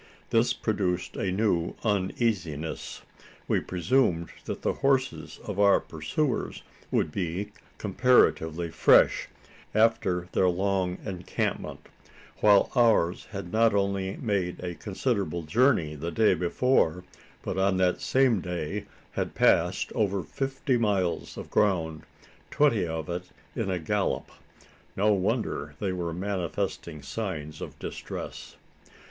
This produced a new uneasiness. We presumed that the horses of our pursuers would be comparatively fresh after their long rest at their encampment while ours had not only made a considerable journey the day before, but on that same day had passed over fifty miles of ground twenty of it in a gallop! No wonder they were manifesting signs of distress.